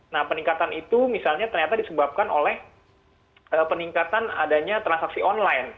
nah peningkatan itu misalnya ternyata disebabkan oleh peningkatan adanya transaksi online